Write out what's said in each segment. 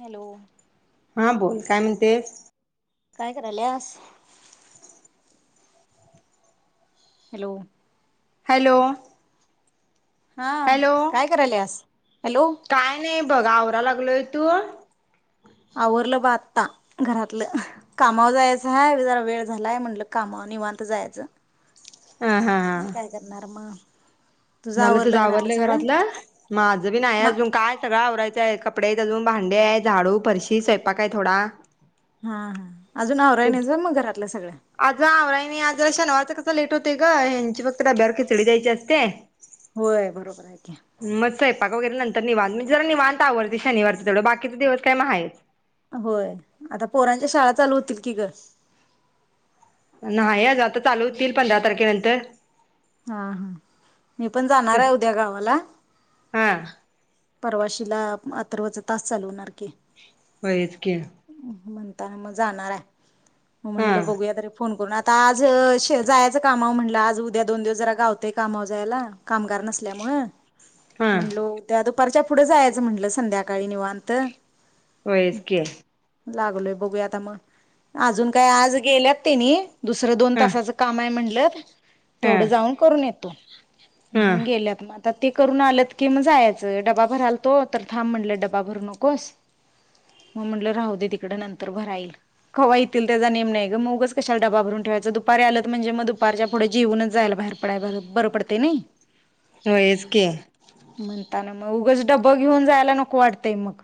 Hello हा बोल काय म्हण ते काय करायल्यास हॅलो हॅलो हा हॅलो काय करायल्यास हॅलो काय नाही बघ आवराय लागलोय तू आवरलं ब आत्ता घरातलं कामावर जायचं हाय जरा वेळ झालाय म्हटलं कामावर निवांत जायाचं हा हा काय करनार मग तुझं झालं तुज आवरलं घरातलं आवरलंय सगळं? घरातलं माझं बी नाय म अजून हा काय सगळं आवरायचं कपडे आयेत अजून भांडे आहेत झाडू फरशी स्वयंपाक आहे थोडा हा हा अजून आवराय ते नाहीच वे मग घरात आज आवराय नाही आज शनिवार कस लेट होतय ग ह्यांची फक्त डब्यांवर खचडी द्यायची असते होय बरोबर आहे कि गे नंतर निवांत म्हणजे जरा निवांत आवरतय शनवारच तेवढ बाकीचे दिवस काय मग आहेच होय आता पोरांच्या शाळा चालू होतील की ग नाही आज आता चालू होतील पंधरा तारखेनंतर हा हा मी पण जाणार आहे उद्या गावाला हा परवाशीला अत्तर्वच तास चालू होणार की होयंच की म्हणताना मग जाणार आहे म म्हटलं हा बघूया तरी फोन करून आता आज जायचं कामाव म्हटलं आज द्या दोन दिवस जरा गावतय कामाव जायला कामगार नसल्यामुळे हा म्हणलो त्या पारच्या पुढं जायचं म्हटलं संध्याकाळी निवांत होयंच की लागलोय बघूया आता मग अजून काय आज गेल्यात तेनी दुसरं दोन हा तासाच काम आहे म्हण ते हा तेवढं जाऊन करून येतो हा म्हणून गेल्यात म आता ते करून आलत कि मग जायचं डबा भरायल तो तर थांब म्हणलं डबा भरू नकोस मग म्हणलं राहू दे तिकड नंतर भराईल कवा येतील त्याचा नेम नाही ग मगच कशाला डबा भरून ठेवायचं दुपारी आत म्हणजे मग दुपारच्या पुढे जीऊनच जायला बाहेर पडाय बरं बरं पडते नाही होय हेच क्या! म्हणताना उगच डबं घेऊन जायला नको वाटतंय मग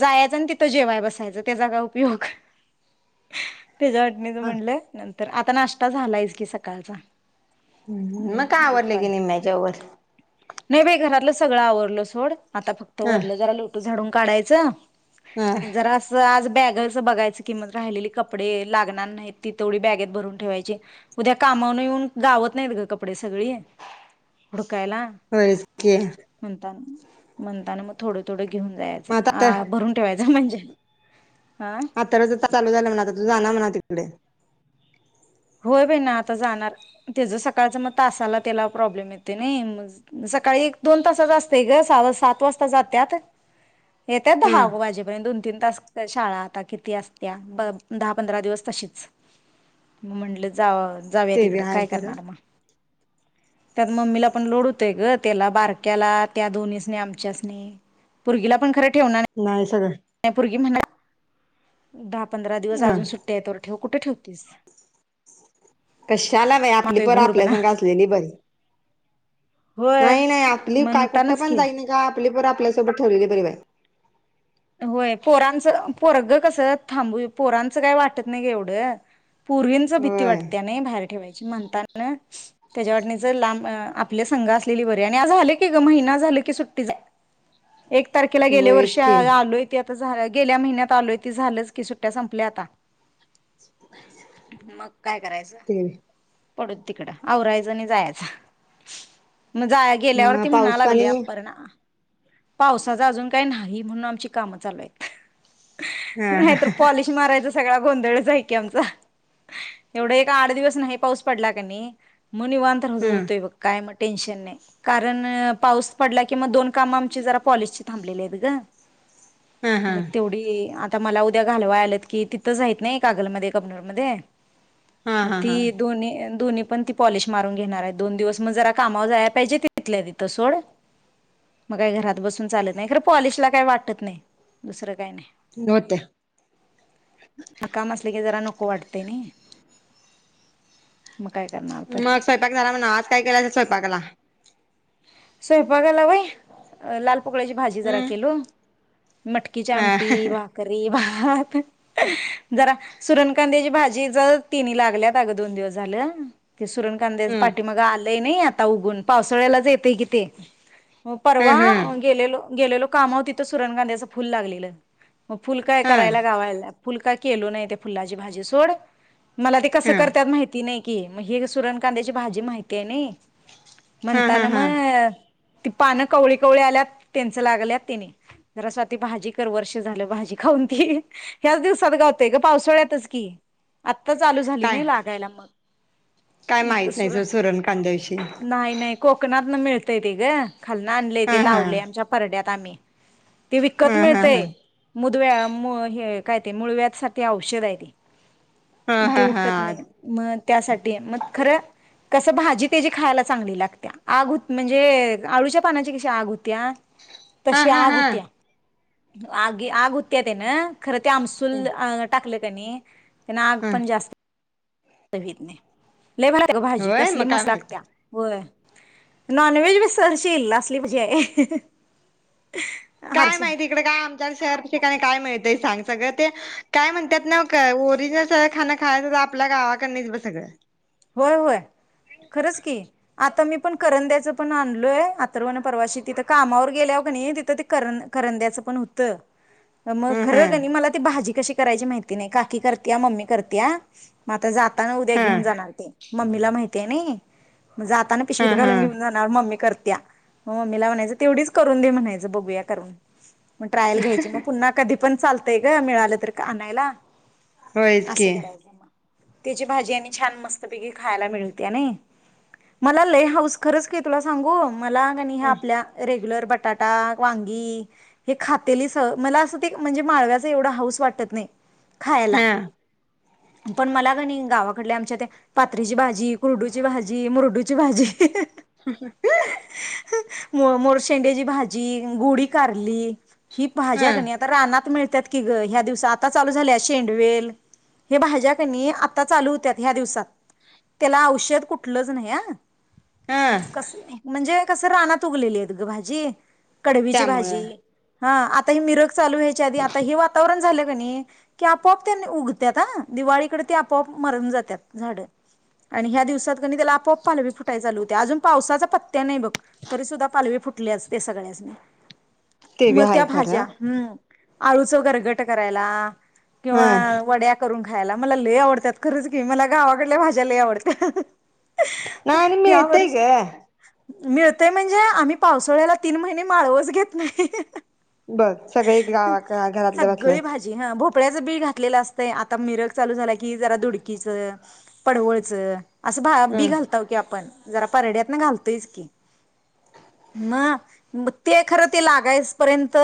जायाचन तिथं जेवाया बसायचं त्याचा काय उपयोग त्याच्या वाटणीच ह म्हणलं नंत तर आता नाष्टा झालायस की सकाळचा! म काय आवडलं दुपारी गेले त्याच्यावर! नाही बाई घरातलं सगळं आवरलं सोड! आता फक्त ह वरलं जरा येते झाडून! काढायच! ह आणि जरा अस आज बॅग बघायच की राहिलेली कपडे लागणार नाही ती तेवढी बॅगेत भरून ठेवायची उद्या कामाऊन येऊन गावात नाहीत ग कपडे सगळे! याला वयस्कीय म्हणता म्हणताना थोडे थोडे घेऊन मग आता तर जायाचं! भरून ठेवायच! म्हणजे हा आता रजा चालू झालं म्हणा आता तू जाणार म्हणाती! दे होय बाई मी आता जाणार तस सकाळच मग तासाला त्याला प्रॉब्लेम येतोय नी सकाळी एक दोन तासाच असतय ग सात वाजता जात्यात येत्या हा दहा येत्यात माझी बहिण किती असत्या दहा पंधरा दिवस तशीच! म्हटलं जावा! जाऊया ते बी तिकड आहे काय खरं करणार म त्यात मम्मीला पण लोड होतय ग त्याला बारक्याला त्या दोन्हीसनी आमच्याच सनी पोरगिला पण खर नाही सगळ माय पोरगी म्हणल दहा पंधरा दिवस हा अजून सुट्ट्या ये तोवर ठेव कुठ ठेवतीस कशाला बाई आपली आता पोर घोरत आपल्या ना संग असलेली बरी नाही नाही आपली काय कुठं पण की जाई नी काय आपली पोर आप आपल्यासोबत ठेवलेली बरी बाय! होय पोरांच पोरग कस थांबू पोरांचं काय वाटत नाही ग एवढं पोरींची भीती होय वाटते नाही बाहेर! ठेवायची म्हणतान त्याच्या वाटनी च लांब आपले संघ असलेली बरी आणि झालं की ग महिना झाल की सुट्टी झा एक तारखेला गेले होयच वर्ष की आता झा गेल्या महिन्यात आलोय त झालंच की सुट्ट्या संपल्या आता! मग काय करायचं! ते पडू तिकडं आवरायच नी जायाच! मग जा मग गेल्यावरती म्हणा पाऊस लागली पाणी अपर्णा! पावसाचा अजून काही नाही म्हणून आमची काम चालू आहेत. हा नाहीतर हा पॉलिश मारायच सगळा गोंधळ [unintelligible] एवढा एक आठ दिवस नाही पाऊस पडला कनाई हा [unintelligible] टेन्शन नाही कारण पाऊस पडला की मग दोन कामं आमची जरा पॉलिश ची थांबलेली आहेत ग. हा मग हा तेवढी आता मला त्या घालवाय आल्यात कि तिथंच आहेत नाही कागलमध्ये कमनर मध्ये हा हा हा ती दोन्ही दोन्ही पण ति पॉलिश मारून घेणार हाय दोन दिवस म जरा कामावर जायला पाहिजे तिथल्या तिथं सोड, म काय घरात बसून चालत नाही. खरं पॉलिशला काय वाटत नाय दुसरा काय नाय होते आता काम असलं की जरा वाटतय ना मग स्वयंपाक झाला म्हणा आज काय केलं स्वयंपाला स्वयंपाकाला वय लाल पोळ्याची भाजी जरा हम्म केलो. मटकीची ह आमटी भाकरी भाकरी ह जरा सुरण कांद्याची भाजी ज तिन लागल्यात अगं दोन दिवस झालं. ते सुरण कांद्या हम्म पाठी मगा आल ते नाही आता उगू न पावसाळ्याला [unintelligible] ते परवा हम्म हम्म गेलोलो गेलेलो कामाव तिथं सुरण कांद्याचं फुल लागलेलं. मग फुल काय हा करायला लावायला फुलका, केलो नाही ते फुलाची भाजी सोड मला ते कसं करत्यात माहिती नाही. के म्हणजे ही सुरण कांद्याची भाजी माहिती आहे नई. हा [unintelligible] हा हा हा [unintelligible] ती पानं कवळी कवळी आल्यात त्यांच लागल्यात तिने जरा स्वाती भाजी कर वर्ष झालं भाजी खाऊन ती ह्याच दिवसात गावतेय ग पावसाळ्यातच की आत्ता चालू झाली काय नाही लागायला काय मग माहित नाही ज सुरण कांद्याविषयी नाही नाही आ दुकानात मिळतय की ग खालना आणले हा ते हा लावले आमच्या परड्यात. ताम्मी ते हा विकत हा मिळत हा ये मुदव्या म हे काय ते मुळव्यासाठी औषध आहे हा ते ते हा हा उठत नइ मग त्यासाठी मग खर कस भाजी तेजी खायला चांगली लाग आगहूत म्हणजे आळूच्या पानाची कशी आग होत्यात हा तशी हा आग हा हुत्या आगी आग हूत्याात ना खर ते आमसूल अ टाकलेत तने त्यान आग ह पण जास्त तघेतनाइ लय बनवते ग भाजी होय कसली मग काय मस् माहित लाकत्या नाही. वय नॉनवहेज बी सरशी इल असली म्हजी आहे काय हर्षा माहिती इकडे काय आमच्या शहर ठिकाणी काय माहिती ते सागत ग ते काय म्हणतात न का ओरिजिनल सगळ खाण खायच आपल्या गावाकडनच ब सगळ होय होय खरच की आता मी पण करंदयाच पण आणलय आर्थव न परवाशी तीथ कामावर गेल्याव कनी तीथ ते करन करंदयाच पण होत अ मग ह हा खरं त्यांनी मला ती भाजी कशी करायची माहीती नई काकी करतेया मंम्मी करतेया म आता जा तानू उ्या हा घेऊन जाणार मम्मीला माहीतीये नई जाताना हा पिशवीत हा घालून घेऊ जाणार मंम्मी करत त्या म मंम्मी ला म्हणायच तेवढीच करून दे म्हणायच बघूया करून म ट्रायल घ्यायची म पुन्हा कदीप पण चालतय ग मिळाल तर का आणायला होयच आस की करायच म त्याची भाजी आणि छान मस् सगळी ही खायाला मीळत्या नई मला लई हाऊस खरच की तुला सांगू मला ग नी हाआपल्या रे युलर बटाटा वांगी हे खातेली स मला अस ते म्हणजे माळव्याचा एवढ हाऊस वाटत नाइ खायला हा पण मला का गावा कडल्या आमच्या त्या पातरीची भाजी कुरडूची भाजी मुरडू कसली भाजी ह ह ह मोरशेंडे्याची भाजी गोडी कारली ही हा भाज्या क नाही आता रानात मिळते त्यात की ग ह्या दिवसआता चालू झाल्या शेंडवेल हे भाज्या कणी आता चालू होत्या ह्या दिवसात त्याला औषध कुठलंच नाही हं हा कसल म्हणजे कस रानात उगलेली आहेत ग भाजी कडवीची भाजी त्यामुळं हा आता हे मिरग चालू व्हायच्या आधी आता हे वातावरण झालय ते कणी की आपोआप त्यां उगतात ह दिवाळीकडे ते आपोआप मरून जातात झाड आणि ह्या दिवसात कनी त्याला आपोआप पालवी फुटते काय चालू होतंय अजून पावसाचा पत्त्या नाही बघ तरी सुद्धा पालवी असती फुटल्याच ते सगळ्याचनी ते बी आहे खरं आळूचं गरगट करायला हा किंवा वड्या करून खायला मला आवडत्यात खरच की मला गावाकडे भाज्या भाज्या लय आवडत्या हं हं नाही आणि मिळतय ग मिळतय म्हणजे आम्ही पावसाळ्याला तीन महिने माळवच घेत नाही बग सगळे गावात घरातले बसलेत याचं बी घातलेलं असतंय, आता मिरग चालू झाला की जरा दुडकीच पडवळचं असं भा ह बी घालताव की आपण. जरा परड्यात ना घालतोयच की, मं म् ते खरं ते लागायस पर्यंत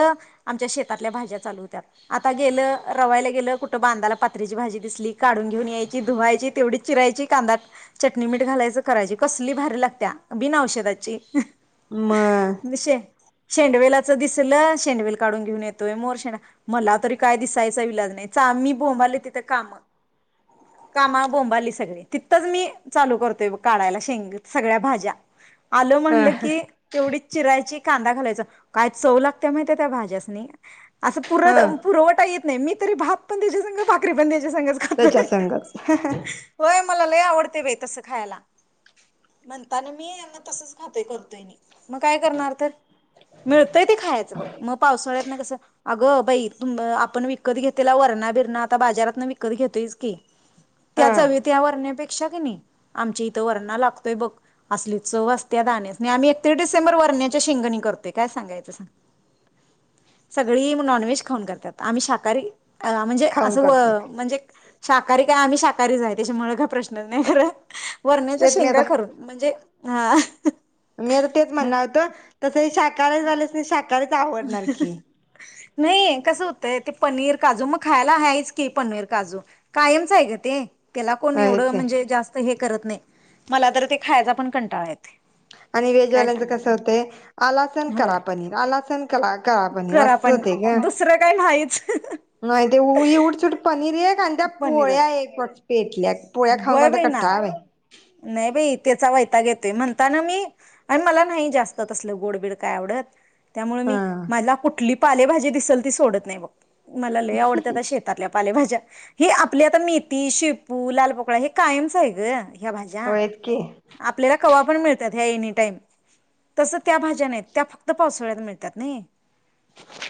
आमच्या शेतातल्या भाज्या चालू होत्यात. आता गेलं रवायला गेलं कुठं बांधाला पात्रीची भाजी दिसली काढून घेऊन यायची धुवायची तेवढी चिरायची कांदात चटणी मिठ घालायचं करायची कसली भारी लागत्या बिन औषधाची. मं शे शेंडवेलाच दिसलं शेंडवेल काढून घेऊन येतोय. मोर शेंडा मला तरी काय दिसायचा विलाज नाही चा मी बोंबाले तिथं कामं कामा बोंबालीच. सगळे, तिथंच मी चालू करतोय बग काढायला शेंग सगळ्या भाज्या. आलं ह म्हणलं की तेवढीच चिरायची कांदा घालायचं काय चव लागत्या माहिते काय भाज्यासनी. असं पुरं ह त अं पुरवटाईत. नाही मी तरी भात पण त्याज्यासंगं भाकरी बणित त्याच्या संघच. होय मला लय आवडते बाई तसं खायला. म्हणताना मी यांना तसच खातो करतोय नी. मग काय करणार तर. मिळतय ते खायचं बघ. म पावसाळ्यात न कसं, अगं बाई तुम अं आपण विकत घेतलेला वरणा बिरणा आता बाजारात न विकत घेतोयच की. त्या हा चवित ण्यापेक्षा कनी आमच्या इथं वरणा लागतोय बग, असली चव असत्या रान्यासनी आमी एकतीस डिसेंबर वरण्याची शेंगणी करतोय काय सांगायच सांग. सगळी म नॉनव्हेज खाऊन करत्यात आम्ही शाकाहारी अं म्हणजे खाऊन असं व करते म्हणजे शाकाहारी काय आम्ही शाक करी जाईत त्याजेमुळं काय प्रश्नच नाही खरा. वरण्याच्या तेच मी शेंगा आता करून म्हणजे हां मी आता तेच म्हण्णा होतो तसं शाक कालेज वाल्यासनी शाक तरच आवडणार की. नाही, कसं होतंय ते पनीर काजू म खायला हायच की पनीर काजू कायमचं हाय गं ते. त्याला कोण एवढं हेच आहे म्हणजे जास्त हे रत नाही, मला तर ते खायचा पण कंटाळा येतंय. आणि वेजवाल्यांच कसं होतय, आला सन होय करा पनीर आलासन कला करा पण रास्त होतंय गं. दुसरं काय नाहीच नाही तेव येवचड पणी त्री एकांद्या पोळ्या पनीरच एगोच पेटल्यात पोळ्या होय खाऊंगाआतं बाई ना कट्टाळ आलंय. नाही बाई तेचावयताक येतोय म्हणताना मी आणि मला नाही जास्त तसलं गोडबीड काय आवडत. त्यामुळे हा मी मला कुठली? पालेभाजी दिसलं ती सोडत नाही बघ. मला लई आवडत्याता शेतातल्या? पालेभाज्या हे आपल्या आता मेथी शेपू लाल पोकळा हे कायमच आहे गं. ह्या भाज्या होयच की आपल्याला कवापण फूल मिळतात ह्या ए नीटाईम तसं त्या भाज्या नाहीत त्या फक्त पावसाळ्यात मिळतात नेही.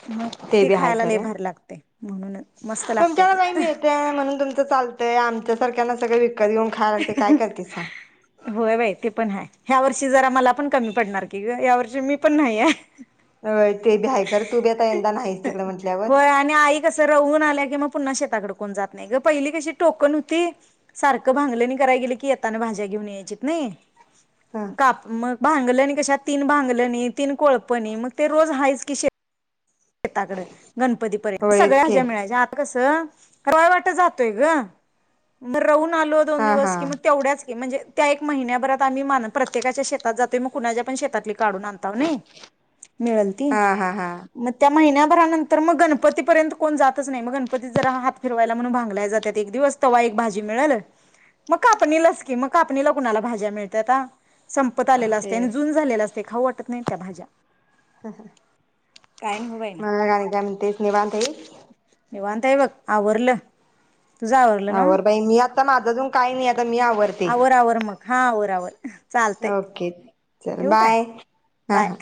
मग ती खायला लई भारी लागते. तुमच्या कडं बाई मिळतंय म्हणून तूमचं चालत ते आमच्या सारख्याना सगळं विक कधी येऊन खायं लागतंय काय करते सां. होय बाई ते पण आहे ह्या वर्षी जरा मला पण कमी पडणार की गं या वर्षी मी पण नाही आहे. होयं ते बी आहे खरं तू बी आता यंदा नाहीस तिकडं म्हंटल्यावर. होय आणि आई कसं रवून आल्या मग पुन्हा शेताकडं कोण जात नाही गं पहिली कशी टोकन होती सारखं भांगलनी कराय गेलो की येताना भाज्या घेऊन यायचीत ने. हा काप मग भांगल्याणी कशात तीन भांगलनी तीन कोळपणी मग ते रोज हाच किसे शेताकडं गणपतीपर्यंत होयच सगळ्या की हज्या मिळायच्या आता कसं हं कराय वाट जातोय गं मग रवून लोवून आलो दोन हा हा दिवस कि मग तेवढ्या म्हणजे त्या एका महि्याभरात आम्ही मा प्रत्येकाच्या शेतात जातोय मग कुणाच्या पण शेत काढून आणं तावं नी मिळलती, हा हा हा महिन्याभरानंतर मग गणपतीपर्यंत कोण जातच नाही मग गणपती जरा हात फिरवायला म्हणून भांगल्या जातात एक दिवस तव्हा एक भाजी मिळलं मग कापणीलाच की मग कापणीला कुणाला भाज्या मिळतात्या संपत आलेल ते असते आणि जुन झालेल असतंय खाऊ वाटंत तूतत नाहीत त्या भाज्या हा ह काय नव्ह बाई ना मला मग आणि काय म्हणतिसं निवांत आहीस. निवांत आहे बघ आवरवरलं तूज आवरलं नव्हं आवर बाई मी आता माझं अजून काही नाही आ आवरं आवरं मग हा आवंर आवरं चालते. ओके चल बाय हा हा.